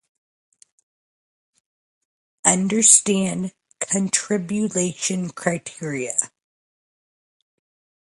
Students study math, science, geography, world history, and language arts.